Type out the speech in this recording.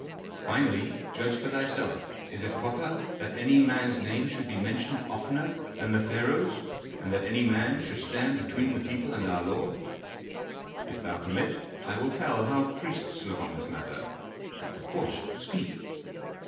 Finally, judge for thyself, is it proper that any man's name should be mentioned oftener than the pharaoh's, and that any man should stand between the people and our lord? If thou permit, I will tell how priests look on this matter." "Of course, speak."